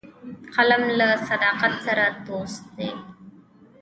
قلم له صداقت سره دوست دی